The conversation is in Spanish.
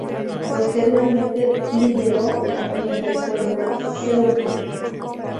Posteriormente lideró la Unión del Pueblo Ceutí.